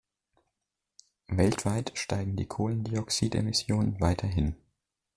Weltweit steigen die Kohlendioxidemissionen weiterhin.